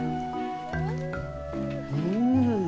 うん！